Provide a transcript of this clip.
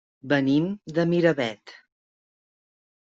Venim de Miravet.